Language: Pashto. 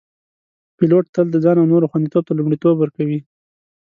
پیلوټ تل د ځان او نورو خوندیتوب ته لومړیتوب ورکوي.